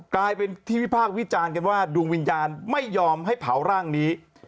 กลายเป็นที่วิพากษ์วิจารณ์กันว่าดวงวิญญาณไม่ยอมให้เผาร่างนี้